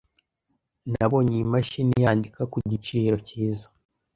Nabonye iyi mashini yandika ku giciro cyiza.